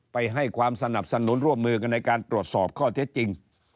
ให้ความสนับสนุนร่วมมือกันในการตรวจสอบข้อเท็จจริง